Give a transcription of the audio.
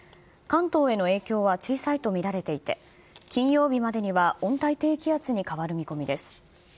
関東への影響は小さいと見られていて、金曜日までには温帯低気圧に変わる見込みです。